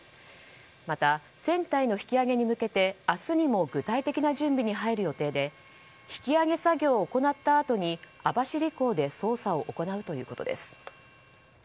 また、船体の引き上げに向けて明日にも具体的な準備に入る予定で引き揚げ作業を行ったあとに網走港で捜査を行うということです。